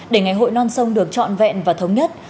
để ngày hội non sông được trọn vẹn và thống nhất